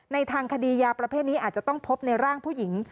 ในทางคดียาประเภทนี้อาจจะต้องพบในร่างผู้หญิง